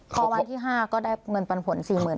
พอวันที่๕ก็ได้เงินปันผล๔๐๐๐